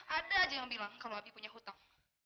ada aja yang bilang kalau abi punya hutang